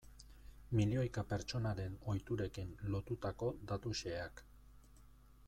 Milioika pertsonaren ohiturekin lotutako datu xeheak.